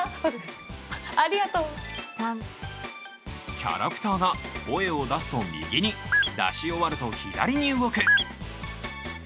キャラクターが声を出すと右に。出し終わると左に動く。